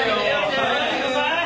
下がってください。